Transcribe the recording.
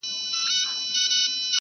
پاتې د نېستۍ له لاسه کلی رانه دی